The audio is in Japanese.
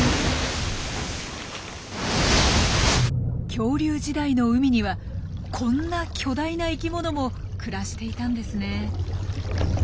恐竜時代の海にはこんな巨大な生きものも暮らしていたんですね。